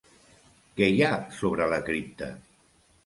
Què hi ha sobre la cripta?